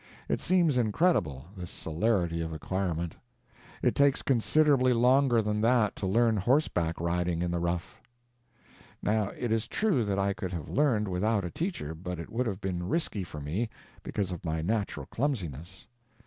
It seems incredible, this celerity of acquirement. It takes considerably longer than that to learn horseback riding in the rough. Now it is true that I could have learned without a teacher, but it would have been risky for me, because of my natural clumsiness.